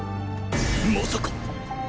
まさか！